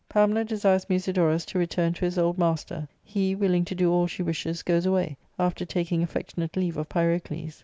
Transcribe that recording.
Pamela desires Musidorus to return to his old master ; he, willing to do all she wishes, goes away, after taking affec tionate leave of Pyrocles.